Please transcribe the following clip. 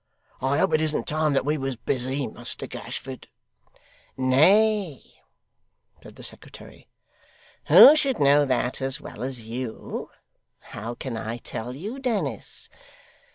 I hope it isn't time that we was busy, Muster Gashford?' 'Nay,' said the secretary, 'who should know that as well as you? How can I tell you, Dennis?